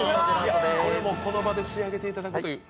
これもこの場で仕上げていただくという。